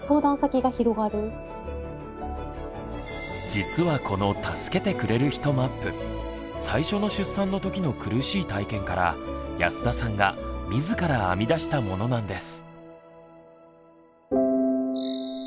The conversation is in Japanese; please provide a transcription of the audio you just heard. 実はこの「助けてくれる人マップ」最初の出産のときの苦しい体験から安田さんが自ら編み出したものなんです。